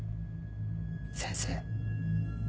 先生。